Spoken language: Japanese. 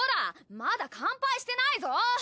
まだ乾杯してないぞ！